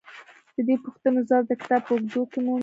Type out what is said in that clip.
د دې پوښتنې ځواب د کتاب په اوږدو کې مومئ.